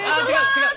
違う！